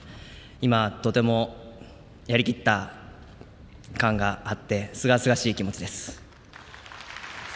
今、とてもやりきった感があってすがすがしい気持ちです。